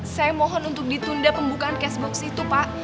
saya mohon untuk ditunda pembukaan cashbox itu pak